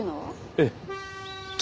ええ。